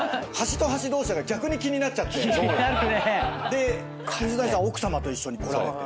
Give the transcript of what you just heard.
で水谷さん奥さまと一緒に来られてて。